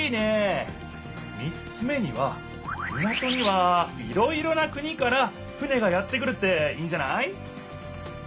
３つ目には港にはいろいろな国から船がやって来るっていいんじゃない？